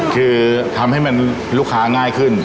คือทำให้มันลูกค้าง่ายขึ้น